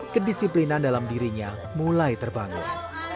kedisiplinan dalam dirinya mulai terbangun